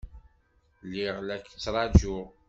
Lliɣ la k-ttṛajuɣ.